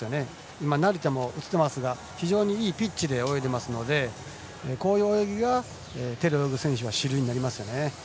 今、成田も映ってましたが非常にいいピッチで泳いでいますのでこういう泳ぎが手で泳ぐ選手は主流になりますね。